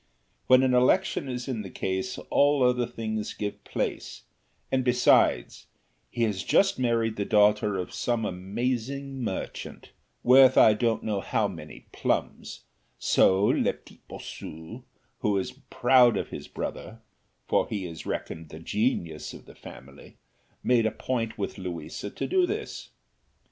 When an election is in the case all other things give place: and, besides, he has just married the daughter of some amazing merchant, worth I don't know how many plums; so le petit Bossu, who is proud of his brother, for he is reckoned the genius of the family! made it a point with Louisa to do this.